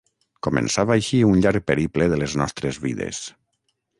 Començava així un llarg periple de les nostres vides.